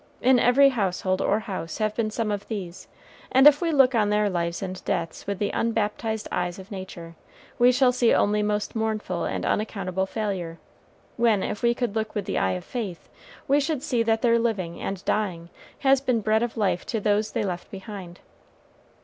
In every household or house have been some of these, and if we look on their lives and deaths with the unbaptized eyes of nature, we shall see only most mournful and unaccountable failure, when, if we could look with the eye of faith, we should see that their living and dying has been bread of life to those they left behind.